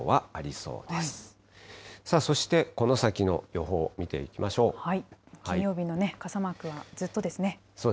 そして、この先の予報、見ていきましょう。